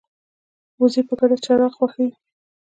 وزې په ګډه چرا خوښوي